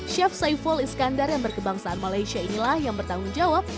chef saiful iskandar yang berkebangsaan malaysia inilah yang bertanggung jawab